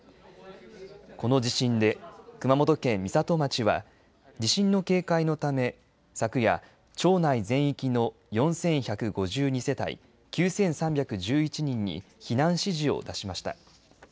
この地震で熊本県美里町は地震の警戒のため昨夜、町内全域の４１５２世帯９３１１人に避難指示を出しました。